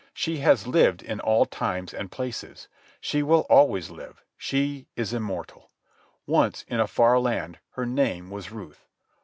She has lived in all times and places. She will always live. She is immortal. Once, in a far land, her name was Ruth.